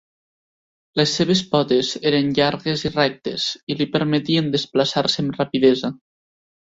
Les seves potes eren llargues i rectes, i li permetien desplaçar-se amb rapidesa.